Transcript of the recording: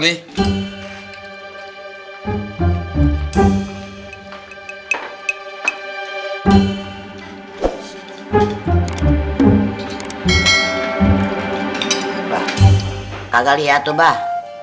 ini mbak kagak liat tuh mbak